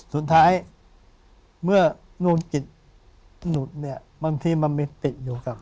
สุดท้ายเมื่อนู่นกิจหนุดเนี่ยบางทีมันมีติดอยู่กับ